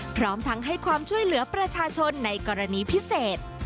พร้อมทั้งให้ความช่วยเหลือประชาชนในกรณีพิเศษ